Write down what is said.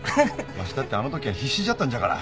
わしだってあのときは必死じゃったんじゃから。